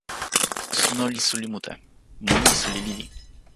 suno li suli mute. mun li suli lili.